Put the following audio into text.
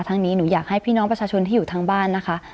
นี้หนูอยากให้พี่น้องประชาชนที่อยู่ทางบ้านนะคะ